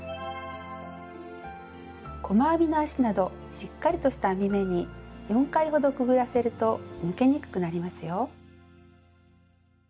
細編みの足などしっかりとした編み目に４回ほどくぐらせると抜けにくくなりますよ。